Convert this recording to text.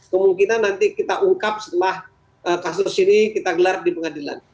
kemungkinan nanti kita ungkap setelah kasus ini kita gelar di pengadilan